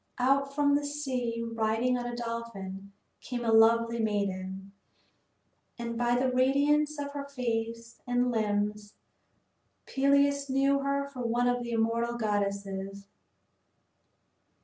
Out from the sea, riding on a dolphin, came a lovely maiden. And by the radiance of her face and limbs Peleus knew her for one of the immortal goddesses.